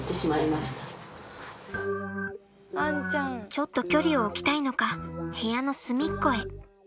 ちょっと距離を置きたいのか部屋の隅っこへ。